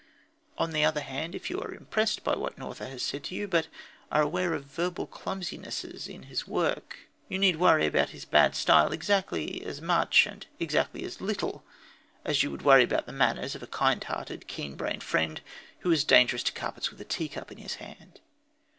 On the other hand, if you are impressed by what an author has said to you, but are aware of verbal clumsinesses in his work, you need worry about his "bad style" exactly as much and exactly as little as you would worry about the manners of a kindhearted, keen brained friend who was dangerous to carpets with a tea cup in his hand.